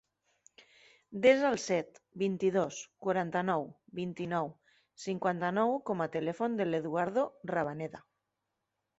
Desa el set, vint-i-dos, quaranta-nou, vint-i-nou, cinquanta-nou com a telèfon de l'Eduardo Rabaneda.